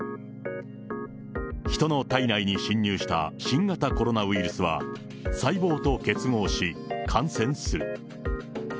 ヒトの体内に侵入した新型コロナウイルスは、細胞と結合し感染する。